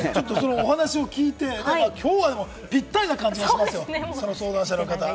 お話を聞いて、きょうはでもぴったりな感じがしますよ、その相談者の方。